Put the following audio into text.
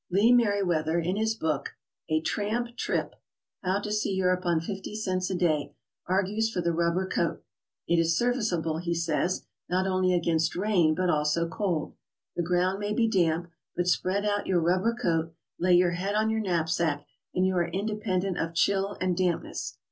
Lee Meriwether, in his book, "A Tramp Trip — How to See Europe on Fifty Cents a Day," argues for the rubber coat. It is serviceable, he says, ''not only againsit rain, but also cold. The ground may be damp, but spread out your rubber coat, lay your head on your knapsack, and you are in dependent of chill and dampness.